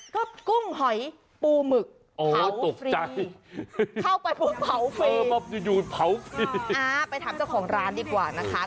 กุ้งหอยปูหมึกเผาฟรีเข้าไปปุ๊บเผาฟรีไปถามเจ้าของร้านดีกว่านะคะ